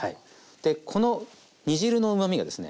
でこの煮汁のうまみがですね